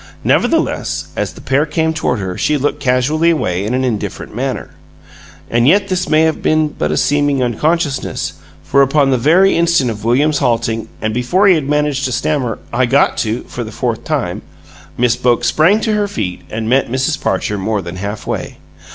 Nevertheless, as the pair came toward her she looked casually away in an indifferent manner. And yet this may have been but a seeming unconsciousness, for upon the very instant of William's halting, and before he had managed to stammer "I got to " for the fourth time, Miss Boke sprang to her feet and met Mrs. Parcher more than halfway.